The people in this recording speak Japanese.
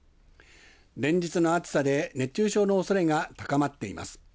連日の暑さで熱中症のおそれが高まっています。